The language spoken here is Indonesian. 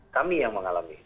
kami yang mengalami